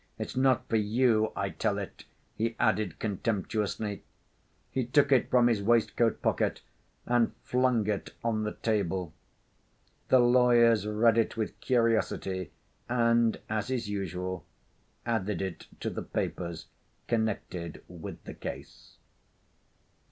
It's not for you I tell it," he added contemptuously. He took it from his waistcoat pocket and flung it on the table. The lawyers read it with curiosity, and, as is usual, added it to the papers connected with the case.